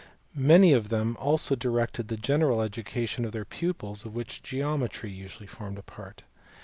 Many of them also directed the general education of ] their pupils, of which geometry usually formed a part.